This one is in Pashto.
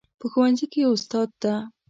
په ښوونځي کې استاد ده